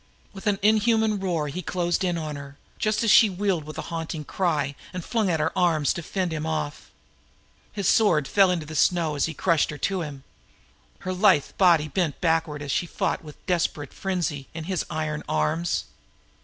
With an inhuman roar he closed in on her, just as she wheeled with a haunting cry and flung out her arms to fend him off. His sword fell into the snow as he crushed her to him. Her supple body bent backward as she fought with desperate frenzy in his iron arms.